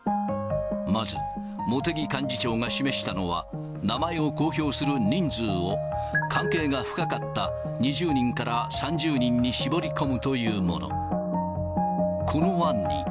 まず、茂木幹事長が示したのは、名前を公表する人数を、関係が深かった２０人から３０人に絞り込むというもの。